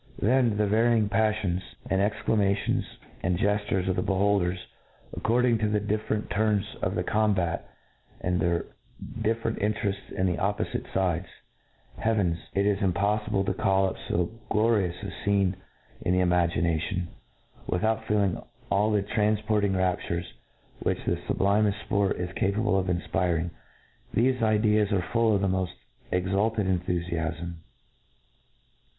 — ^Then the varying paflions, and exclamations, and gef tures of the beholders, according to the differ ent turns of the combat, and their different in ' terefts in the oppofite fides. — ^Heavens ! it is im poffible to call up fo glorious a fcene in the ima gination. INTRODUCTION. 75 gination, without feeling all the tranfporting raptures, t^hich the fublimeft fport is capable of infpiring— fthefe ide?is are full of the mofl, exalt ed enthufiafm.